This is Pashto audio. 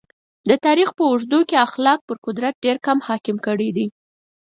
د تاریخ په اوږدو کې اخلاق پر قدرت ډېر کم حکم کړی دی.